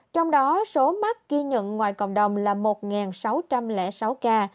trong đó số mắc ghi nhận ngoài cộng đồng là một sáu trăm linh sáu ca